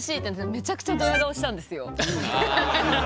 めちゃくちゃドヤ顔したんですよ。